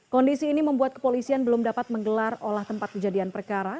kondisi ini membuat kepolisian belum dapat menggelar olah tempat kejadian perkara